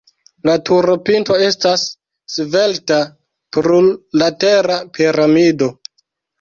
La turopinto estas svelta plurlatera piramido.